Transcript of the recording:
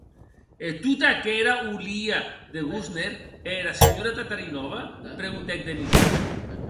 E tota aquera holia de Gosner e era senhora Tatarinova?, preguntèc Denisov.